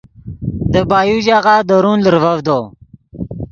دے بایو ژاغہ درون لرڤڤدو